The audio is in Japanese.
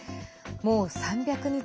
もう３００日